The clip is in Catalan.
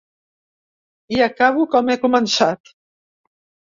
I acabo com he començat.